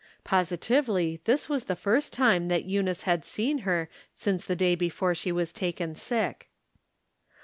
Positively this was the first time that Eunice had seen her since the day before she was taken sick.